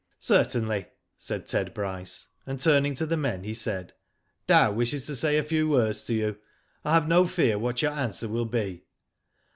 .*' Certainly," said Ted Bryce, and turning to the men, he said :" Dow wishes to say a few words to you. I have no fear what your answer will be."